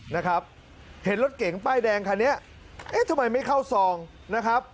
นะครับเห็นรถเก๋งป้ายแดงคันนี้เอ๊ะทำไมไม่เข้าซองนะครับ